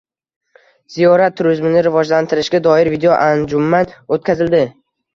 Ziyorat turizmini rivojlantirishga doir videoanjuman o‘tkazildi